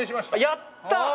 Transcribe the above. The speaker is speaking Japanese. やったー！